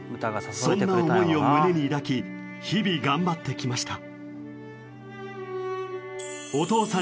そんな思いを胸に抱き日々頑張ってきました。